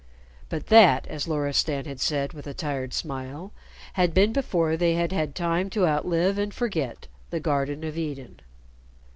But that, as Loristan had said with a tired smile, had been before they had had time to outlive and forget the Garden of Eden.